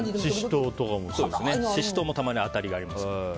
シシトウもたまにあたりがありますね。